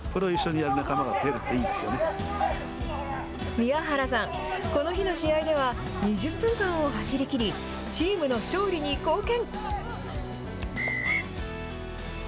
宮原さん、この日の試合では、２０分間を走りきり、チームの勝利に貢献。